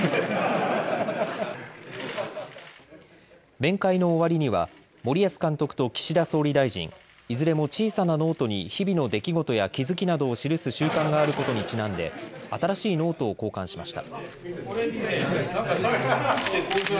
面会の終わりには森保監督と岸田総理大臣、いずれも小さなノートに日々の出来事や気付きなどを記す習慣があることにちなんで新しいノートを交換しました。